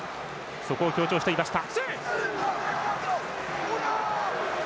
そこを強調していました。